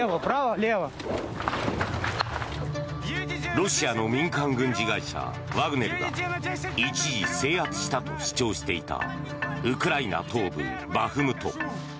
ロシアの民間軍事会社ワグネルが一時、制圧したと主張していたウクライナ東部バフムト。